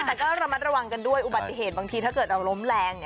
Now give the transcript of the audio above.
แต่ก็ระมัดระวังกันด้วยอุบัติเหตุบางทีถ้าเกิดเราล้มแรง